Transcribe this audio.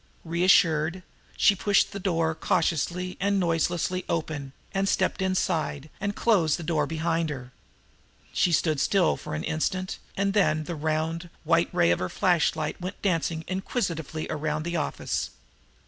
Reassured, she pushed the door cautiously and noiselessly open, and stepped inside, and closed the door behind her. She stood still for an instant, and then the round, white ray of her flashlight went dancing inquisitively around the office.